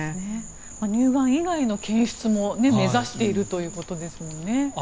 乳がん以外の検出も目指しているということですもんね。